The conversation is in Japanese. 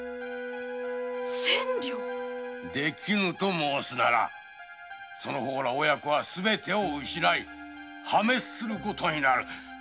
千両できぬと申すのならその方ら親子はすべてを失い破滅することになる。